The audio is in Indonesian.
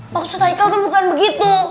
maksud haikal itu bukan begitu